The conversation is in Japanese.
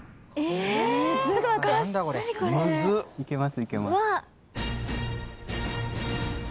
いけますいけます。